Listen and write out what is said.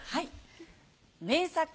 名作